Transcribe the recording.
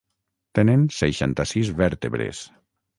Tenen seixanta-sis vèrtebres.